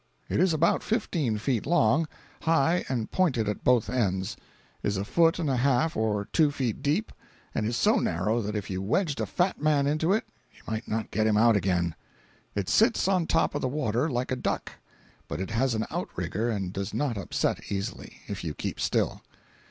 It is about fifteen feet long, high and pointed at both ends, is a foot and a half or two feet deep, and so narrow that if you wedged a fat man into it you might not get him out again. It sits on top of the water like a duck, but it has an outrigger and does not upset easily, if you keep still.